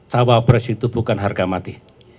cawapres itu bukan harga mati